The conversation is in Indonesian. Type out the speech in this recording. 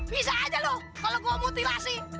bisa aja lu kalo gua mutilasi